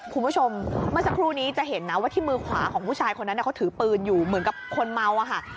คุณผู้ชมเมื่อสักครู่นี้จะเห็นนะว่าที่มือขวาของผู้ชายคนนั้นเขาถือปืนอยู่เหมือนกับคนเมาอะค่ะ